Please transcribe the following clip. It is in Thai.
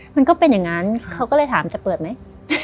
มันก็เป็นอย่างนั้นเขาก็เลยถามจะเปิดไหม